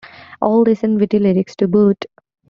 All this and witty lyrics to boot.